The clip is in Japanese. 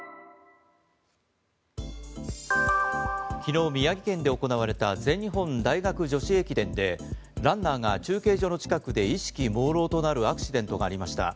昨日、宮城県で行われた全日本大学女子駅伝でランナーが中継所の近くで意識もうろうとなるアクシデントがありました。